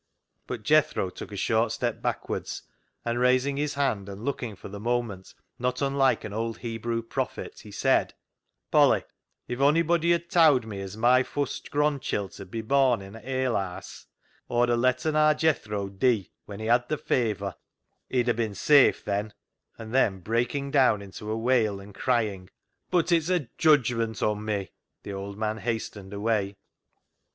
But Jethro took a short step backwards, and raising his hand, and looking for the moment not unlike an old Hebrew prophet, he said —" Polly, if onybody 'ad towd me as my fust gronchilt 'ud be born in a alehaase, Aw'd a letten aar Jethro dee when he had th' fayver ; he'd a bin safe then ;" and then breaking down into a wail, and crying :" But it's a judgment on me," the old man hastened away.